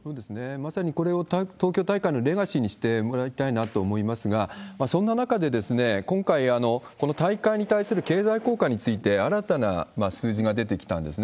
まさにこれを東京大会のレガシーにしてもらいたいなと思いますが、そんな中で、今回、この大会に対する経済効果について、新たな数字が出てきたんですね。